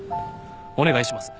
お願いします。